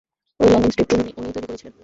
ওই landing strip উনিই তৈরি করেছিলেন।